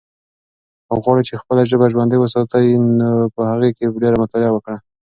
که غواړې چې خپله ژبه ژوندۍ وساتې نو په هغې کې ډېره مطالعه وکړه.